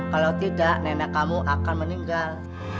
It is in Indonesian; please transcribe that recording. kalau tidak nenek kamu akan meninggal